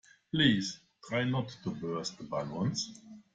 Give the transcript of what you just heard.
Please try not to burst the balloons